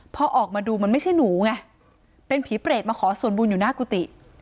พอออกมาดูมันไม่ใช่หนูไงเป็นผีเปรตมาขอส่วนบุญอยู่หน้ากุฏิ